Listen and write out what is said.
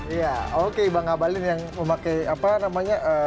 iya oke bang abalin yang memakai apa namanya